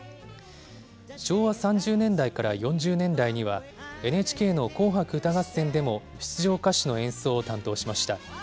昭和３０年代から４０年代には、ＮＨＫの紅白歌合戦でも出場歌手の演奏を担当しました。